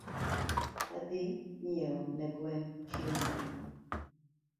Adhi nyieo ne gwen chiemo kiny.